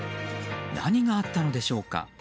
何があったのでしょうか。